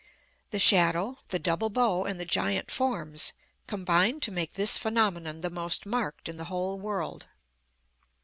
The shadow, the double bow, and the giant forms, combined to make this phenomenon the most marked in the whole world.